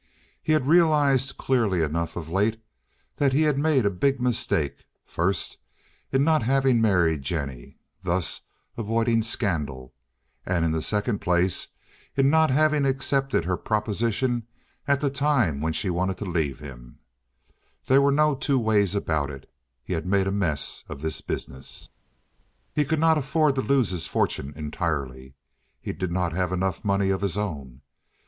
He had realized clearly enough of late that he had made a big mistake; first in not having married Jennie, thus avoiding scandal; and in the second place in not having accepted her proposition at the time when she wanted to leave him; There were no two ways about it, he had made a mess of this business. He could not afford to lose his fortune entirely. He did not have enough money of his own.